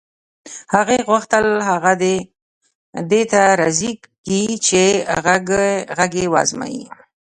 هغې غوښتل هغه دې ته راضي کړي چې غږ یې و ازمایي